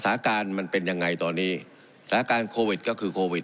การมันเป็นยังไงตอนนี้สถานการณ์โควิดก็คือโควิด